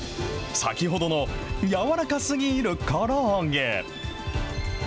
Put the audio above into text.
先ほどの軟らかすぎるから揚げ。